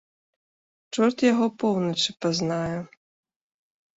Чорт яго поўначы пазнае.